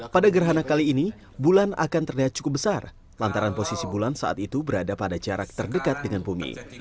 pada gerhana kali ini bulan akan terlihat cukup besar lantaran posisi bulan saat itu berada pada jarak terdekat dengan bumi